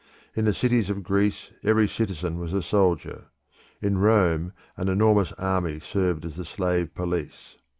In the cities of Greece every citizen was a soldier: in Rome an enormous army served as the slave police.